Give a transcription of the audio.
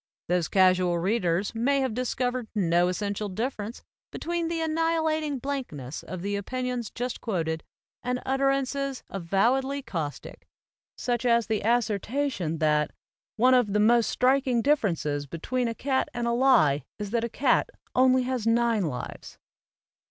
Those casual read ay have discovered no essential difference between the annihilating blankness of the opin ions just quoted and utterances avowedly caustic, such as the assert ion that "one of the 1 1 1 AMERICAN APHORISMS most striking differences between a cat and a lie is that a cat has only nine lives."